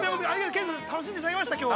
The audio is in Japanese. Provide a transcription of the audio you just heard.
健二郎さん、楽しんでいただけました、きょうは。